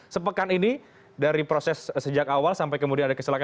sepekan ini dari proses sejak awal sampai kemudian ada kecelakaan